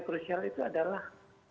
krusial itu adalah